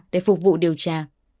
để phục vụ điều tra